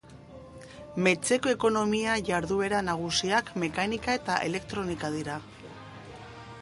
Metzeko ekonomia jarduera nagusiak mekanika eta elektronika dira.